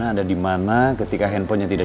orang anak pastinya santai lah